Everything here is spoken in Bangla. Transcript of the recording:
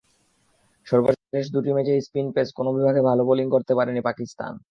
সর্বশেষ দুটি ম্যাচেই স্পিন-পেস কোনো বিভাগে ভালো বোলিং করতে পারেনি পাকিস্তান।